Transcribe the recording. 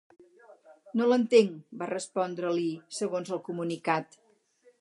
No l’entenc, va respondre-li, segons el comunicat.